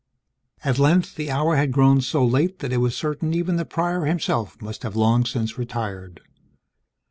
At length, the hour had grown so late that it was certain even the Prior himself must have long since retired.